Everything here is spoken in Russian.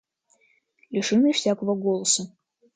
Лишены всякого голоса.